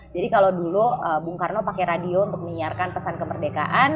jadi kalau dulu bung karno pakai radio untuk menyiarkan pesan kemerdekaan